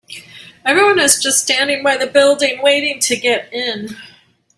Everyone is just standing by the building, waiting to get in.